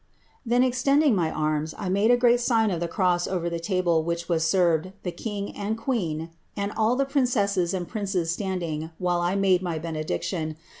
'*' Then, extending my anns, 1 made a great sign of the cross over the table which was siTved, the king and my queen, and all the princesses and princes standing while I made my benedictioQ.